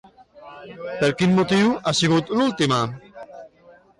Per quin motiu ha sigut l'última?